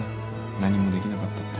何もできなかったって。